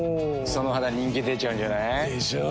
その肌人気出ちゃうんじゃない？でしょう。